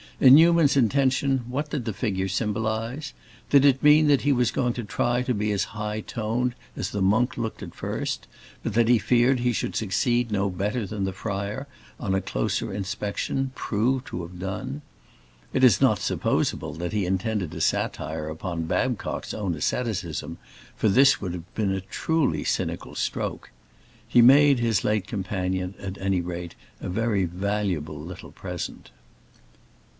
In Newman's intention what did the figure symbolize? Did it mean that he was going to try to be as "high toned" as the monk looked at first, but that he feared he should succeed no better than the friar, on a closer inspection, proved to have done? It is not supposable that he intended a satire upon Babcock's own asceticism, for this would have been a truly cynical stroke. He made his late companion, at any rate, a very valuable little present.